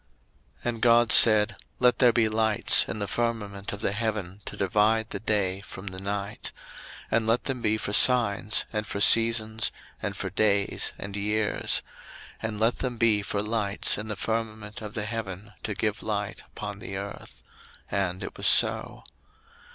01:001:014 And God said, Let there be lights in the firmament of the heaven to divide the day from the night; and let them be for signs, and for seasons, and for days, and years: 01:001:015 And let them be for lights in the firmament of the heaven to give light upon the earth: and it was so.